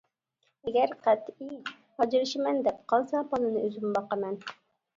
ئەگەر قەتئىي ئاجرىشىمەن دەپ قالسا بالىنى ئۆزۈم باقىمەن.